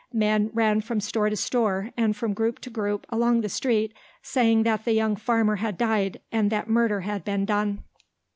Men ran from store to store and from group to group along the street saying that the young farmer had died and that murder had been done.